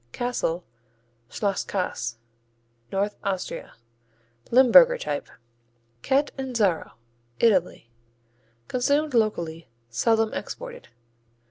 Castle, Schlosskäse North Austria Limburger type. Catanzaro Italy Consumed locally, seldom exported.